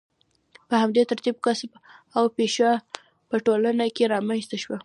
په همدې ترتیب کسب او پیشه په ټولنه کې رامنځته شوه.